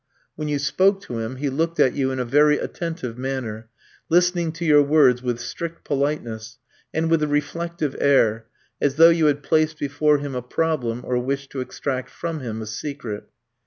When you spoke to him he looked at you in a very attentive manner, listening to your words with strict politeness, and with a reflective air, as though you had placed before him a problem or wished to extract from him a secret.